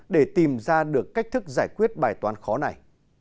để tìm ra được cách thức giải quyết bài toán khó này